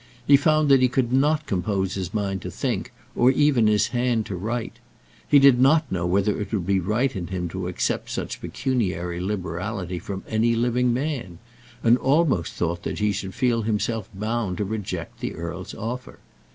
He found that he could not compose his mind to think, or even his hand to write. He did not know whether it would be right in him to accept such pecuniary liberality from any living man, and almost thought that he should feel himself bound to reject the earl's offer.